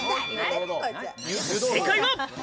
正解は。